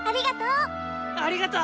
ありがとう！